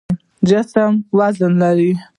جسم وزن لري.